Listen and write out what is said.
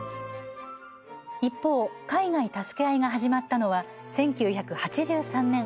一方、「海外たすけあい」が始まったのは１９８３年。